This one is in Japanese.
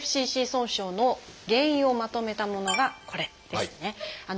ＴＦＣＣ損傷の原因をまとめたものがこれですね。